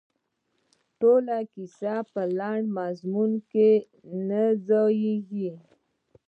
ټوله کیسه په لنډ مضمون کې نه ځاییږي.